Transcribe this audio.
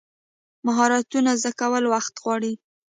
مهارتونه زده کول وخت غواړي.